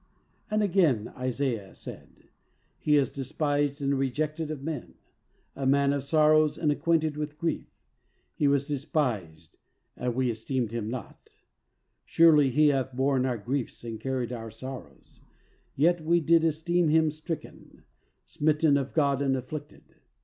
And again Isaiah said, "He is despised and rejected of men; a man of sorrows and acquainted with grief; He was despised and 34 THE soul winner's secret. we esteemed Him not. Surely He hath borne our griefs and carried our sorrows: yet we did esteem Him stricken, smitten of God and afflicted.